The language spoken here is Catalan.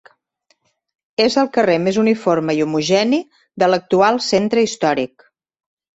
És el carrer més uniforme i homogeni de l'actual Centre Històric.